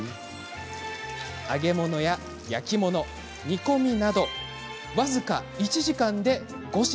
揚げ物や焼き物、煮込みなど僅か１時間で５品